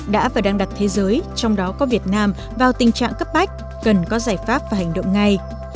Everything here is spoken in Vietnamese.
đã và đang đặt thế giới trong đó có việt nam vào tình trạng cấp bách cần có giải pháp và hành động ngay